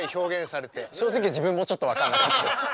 正直自分もちょっと分かんなかったです。